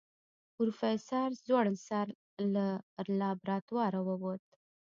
پروفيسر ځوړند سر له لابراتواره ووت.